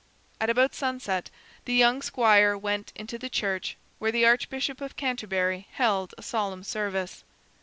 At about sunset the young squire went into the church, where the Archbishop of Canterbury held a solemn service.